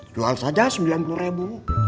jual saja sembilan puluh ribu